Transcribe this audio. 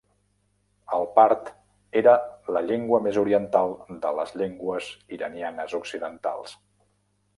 El part era la llengua més oriental de les llengües iranianes occidentals.